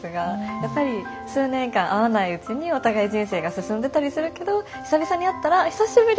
やっぱり数年間会わないうちにお互い人生が進んでたりするけど久々に会ったら「久しぶり。